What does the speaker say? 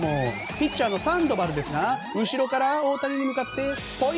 ピッチャーのサンドバルですが後ろから大谷に向かってポイ。